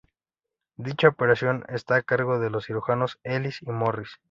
Dicha operación está a cargo de los cirujanos Ellis y Morris.